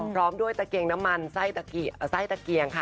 พร้อมด้วยตะเกียงน้ำมันไส้ตะเกียงค่ะ